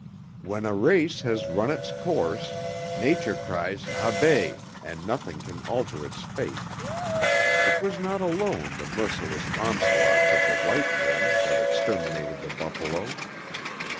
"When a race has run its course, nature cries 'habet,' and nothing can alter its fate. It was not alone the merciless onslaughts of the white man that exterminated the buffalo.